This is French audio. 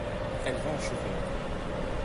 Elle va à cheval.